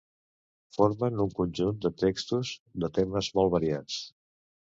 Formen un conjunt de textos de temes molt variats.